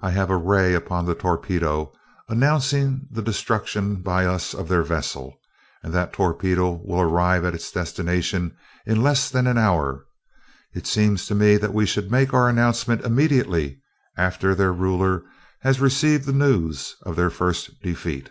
I have a ray upon the torpedo, announcing the destruction by us of their vessel, and that torpedo will arrive at its destination in less than an hour. It seems to me that we should make our announcement immediately after their ruler has received the news of their first defeat."